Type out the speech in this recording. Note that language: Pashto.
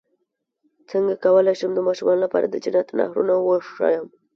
څنګه کولی شم د ماشومانو لپاره د جنت نهرونه وښایم